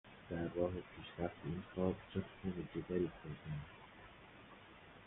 در راه پیشرفت این کار چه خون جگری خوردند.